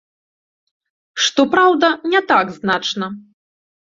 Што праўда, не так значна.